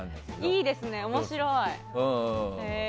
いいですね、面白い！